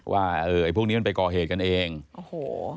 ว่าเออไอ้พวกนี้มันไปก่อเหตุกันเองโอ้โห